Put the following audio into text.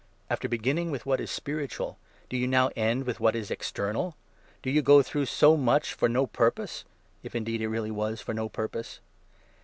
After beginning with 3 what is spiritual, do you now end with what is external? Did you go through so much to no purpose? — if indeed it 4 really was to no purpose